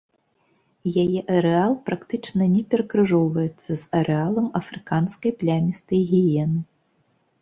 Яе арэал практычна не перакрыжоўвацца з арэалам афрыканскай плямістай гіены.